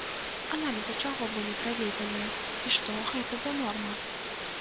Аналізы чаго былі праведзеныя і што гэта за норма?